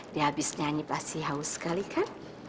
dia habis nyanyi pasti haus sekali kan